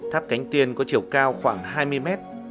tháp cánh tuyên có chiều cao khoảng hai mươi mét